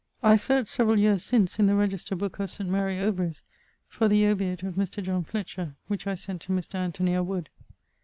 I searched, severall yeares since, in the Register booke of St. Mary Overies, for the obiit of Mr. John Fletcher, which I sent to Mr. Anthony à Wood.